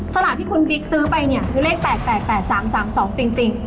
สลากที่คุณบิ๊กซื้อไปเนี่ยคือเลข๘๘๓๓๒จริง